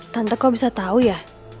tante kok bisa tau ya